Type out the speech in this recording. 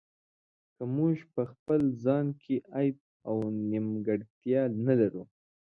که موږ په خپل ځان کې عیب او نیمګړتیا نه لرو.